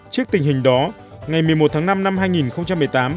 trước tình hình đó ngày một mươi một tháng năm năm hai nghìn một mươi tám